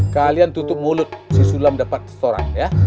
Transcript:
kalian tutup mulut si sulam depan restoran ya